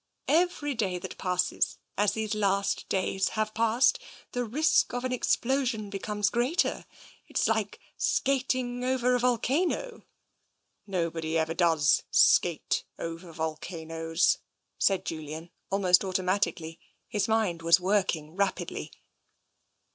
Every day that passes, as these last days have passed, the risk of an explosion becomes greater. It's like skating over a volcano." " Nobody ever does skate over volcanoes," said Julian, almost automatically. His mind was working rapidly.